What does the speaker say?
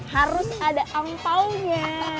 harus ada angpaunya